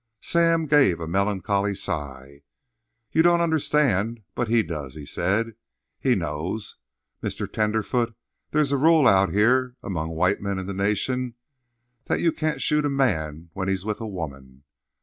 Sam gave a melancholy sigh. "You don't understand; but he does," he said. "He knows. Mr. Tenderfoot, there's a rule out here among white men in the Nation that you can't shoot a man when he's with a woman.